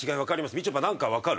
みちょぱ、なんか、わかる？